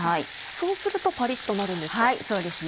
そうするとパリっとなるんですか。